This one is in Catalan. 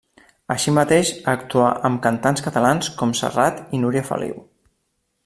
Així mateix actuà amb cantants catalans com Serrat i Núria Feliu.